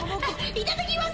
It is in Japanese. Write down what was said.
いただきます！